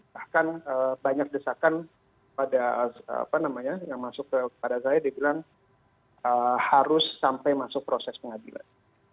bahkan banyak desakan pada apa namanya yang masuk kepada saya dia bilang harus sampai masuk proses pengadilan